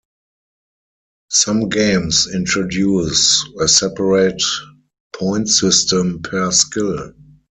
Some games introduce a separate point system per skill.